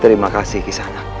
terima kasih kisana